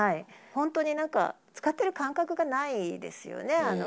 本当になんか、使ってる感覚がないですよね。